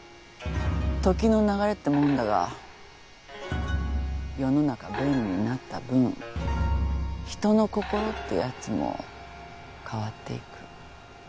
時の流れってもんだが世の中便利になった分人の心ってやつも変わっていく。